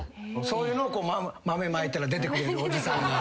そういうのを豆まいたら出てくれるおじさんが。